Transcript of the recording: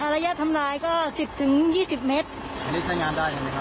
ระยะทำลายก็สิบถึงยี่สิบเมตรอันนี้ใช้งานได้เห็นไหมครับ